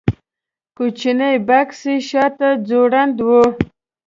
کوچنی بکس یې شاته ځوړند و.